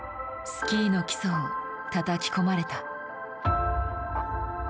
スキーの基礎をたたき込まれた。